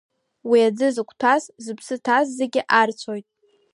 Уи аӡы зықәҭәаз, зыԥсы ҭаз зегьы арцәоит.